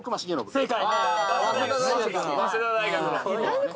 正解。